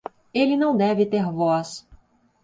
Ele não deve ter voz.